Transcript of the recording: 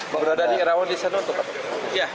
pemberadaan irawan di sana